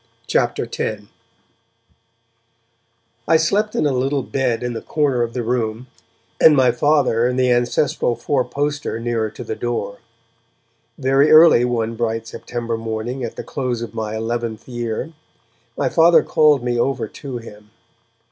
CHAPTER X I SLEPT in a little bed in a corner of the room, and my Father in the ancestral four poster nearer to the door. Very early one bright September morning at the close of my eleventh year, my Father called me over to him.